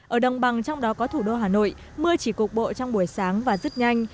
ở đồng bằng trong đó có thủ đô hà nội mưa chỉ cục bộ trong buổi sáng và rất nhanh